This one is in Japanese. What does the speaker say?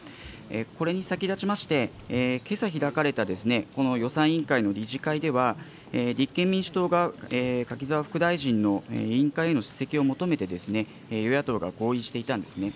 これに先立ちまして、けさ開かれた、この予算委員会の理事会では、立憲民主党が柿沢副大臣の委員会への出席を求めて、与野党が合意していたんですね。